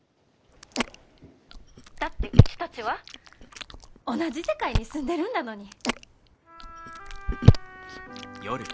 ☎だってうちたちは同じ世界に住んでるんだのに。